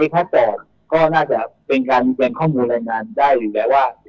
เป็นการเลือกข้อมูลรายงานได้หรือแม้ว่า